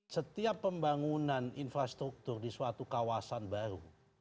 setiap pembangunan infrastruktur di suatu kawasan baru